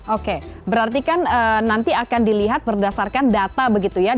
oke berarti kan nanti akan dilihat berdasarkan data begitu ya dari perhitungan pso